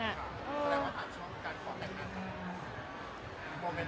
แล้วทางช่องการบอกแผนกัน